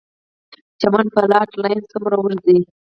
چمن فالټ لاین څومره اوږد دی؟